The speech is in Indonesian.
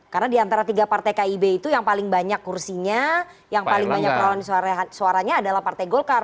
karena diantara tiga partai kib itu yang paling banyak kursinya yang paling banyak perlawanan suaranya adalah partai golkar